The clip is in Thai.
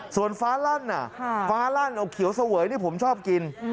ส่วนฟ้าลั่นฟ้าลั่นเอาเขียวเสวยนี่ผมชอบกิน